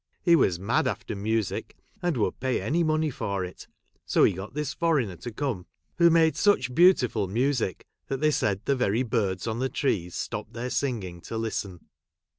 He was mad after music, and would pay any money for it. So he got this foreigner to come; who j made such beautiful music, that they said the very birds on the trees stopped their singing to listen.